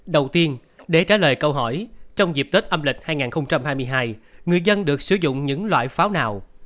đầu tiên để trả lời câu hỏi trong dịp tết âm lịch hai nghìn hai mươi hai người dân được sử dụng những loại pháo nào